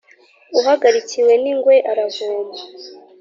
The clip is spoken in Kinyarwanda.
Uhagarikiwe n’ingwe aravoma.